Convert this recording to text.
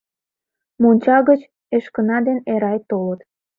Монча гыч Эшкына ден Эрай толыт.